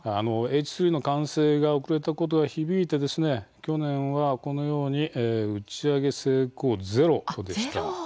Ｈ３の完成が遅れたことが響いて去年は、このように打ち上げ成功ゼロでした。